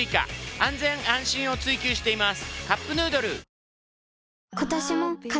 安全安心を追求しています。